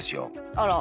あら。